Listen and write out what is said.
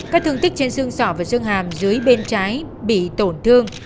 các thương tích trên xương sỏ và xương hàm dưới bên trái bị tổn thương